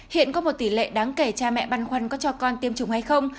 hiện có một tỷ lệ đáng kể cha mẹ băn khoăn có cho con tiêm chủng hay không